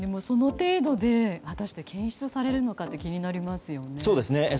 その程度で果たして検出されるのかって気になりますよね。